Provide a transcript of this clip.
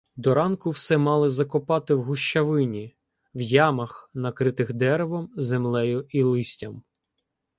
До ранку все мали закопати в гущавині, в ямах, накритих деревом, землею й листям.